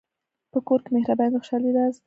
په کور کې مهرباني د خوشحالۍ راز دی.